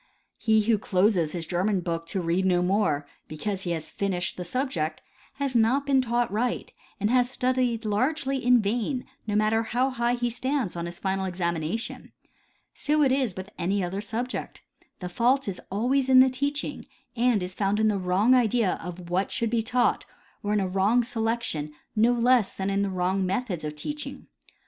He who closes his German book to read no more because he has finished the subject has not been taught right and has studied largely in vain, no matter how high he stands on his final examination. So is it with any other subject. The fault is always in the teaching, and is found in the wrong idea of what should be taught or in a wrong selection no less than in the wrong methods of teaching.